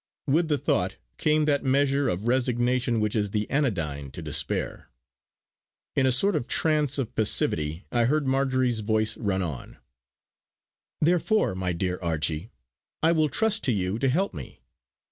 With the thought came that measure of resignation which is the anodyne to despair. In a sort of trance of passivity I heard Marjory's voice run on: "Therefore, my dear Archie, I will trust to you to help me.